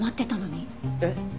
えっ？